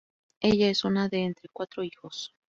Ella es una de entre cuatro hijos.